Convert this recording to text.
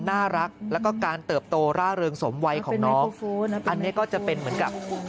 น่ารักแล้วก็การเติบโตร่าเริงสมวัยของน้องอันนี้ก็จะเป็นเหมือนกับ